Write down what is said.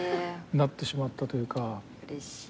うれしい。